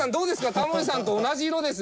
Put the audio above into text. タモリさんと同じ色です。